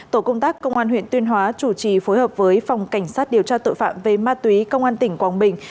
tổ công tác công an huyện tuyên hóa chủ trì phối hợp với phòng cảnh sát điều tra tội phạm về ma túy công an tỉnh quảng bình